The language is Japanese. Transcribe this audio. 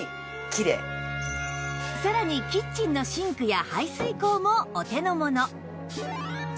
さらにキッチンのシンクや排水口もお手の物